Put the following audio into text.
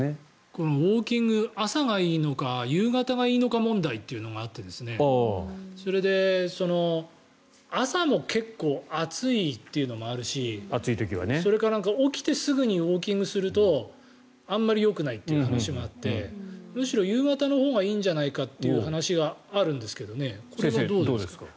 このウォーキング朝がいいのか夕方がいいのか問題というのがあってそれで、朝も結構、暑いっていうのもあるしそれから、起きてすぐにウォーキングするとあまりよくないという話もあってむしろ夕方のほうがいいんじゃないかという話があるんですけどこれはどうですか？